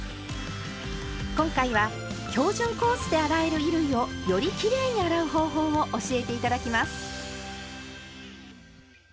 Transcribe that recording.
今回は「標準コースで洗える衣類」をよりきれいに洗う方法を教えて頂きます。